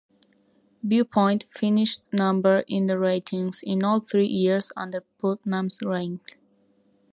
Viewpoint finished number in the ratings in all three years under Putnam's reign.